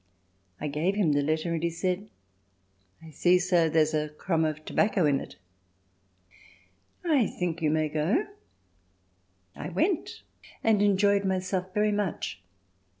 I gave him the letter, and he said: "I see, sir, there is a crumb of tobacco in it; I think you may go." I went and enjoyed myself very much.